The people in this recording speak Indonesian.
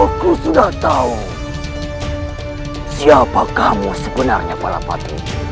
aku sudah tahu siapa kamu sebenarnya pak lampat